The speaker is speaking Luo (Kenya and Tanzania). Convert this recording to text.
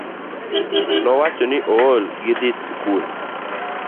Nowacho ni ool gi dhi skul